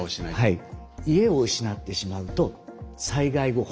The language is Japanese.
はい。